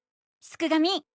すくがミ！